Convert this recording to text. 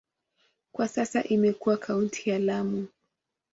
Kwa sasa imekuwa kaunti ya Lamu.